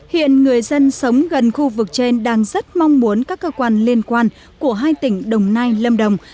hiện người dân sống gần khu vực trên đang rất mong muốn các cơ quan liên quan của hai tỉnh đồng nai lâm đồng